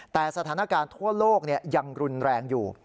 แต่สถานการณ์ทั่วโลกยังรุนแรงอยู่